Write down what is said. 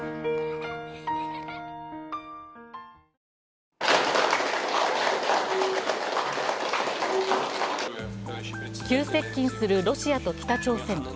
ニトリ急接近する、ロシアと北朝鮮。